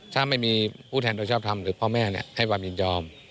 ถ้าไม่มีผู้แทนโดยชอบทำหรือพ่อแม่ให้ความยินยอม